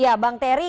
ya bang terry